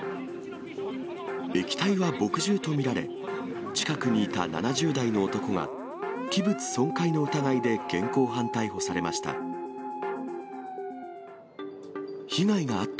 液体は墨汁と見られ、近くにいた７０代の男が器物損壊の疑いで現行犯逮捕されました。